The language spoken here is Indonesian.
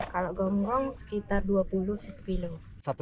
kalau gonggong sekitar dua puluh rupiah